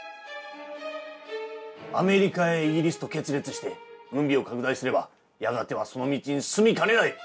アメリカイギリスと決裂して軍備を拡大すればやがてはその道に進みかねない！